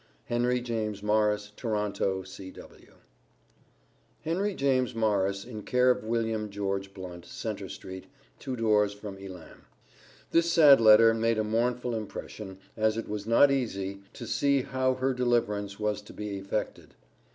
HENRY JAMES MORRIS, Toronto C.W. Henry James Morris in care of Wm. George Blunt, Centre st., 2 doors from Elam. This sad letter made a mournful impression, as it was not easy to see how her deliverance was to be effected.